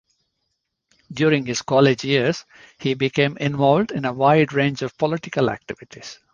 During his college years he became involved in a wide range of political activities.